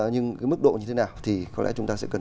nhưng cái mức độ như thế nào thì có lẽ chúng ta sẽ cần